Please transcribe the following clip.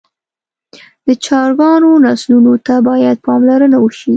د چرګانو نسلونو ته باید پاملرنه وشي.